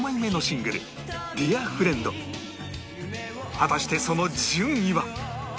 果たしてその順位は？